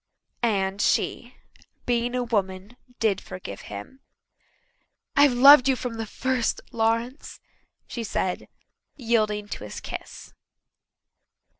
And she, being a woman, did forgive him. "I've loved you from the first, Lawrence," she said, yielding to his kiss.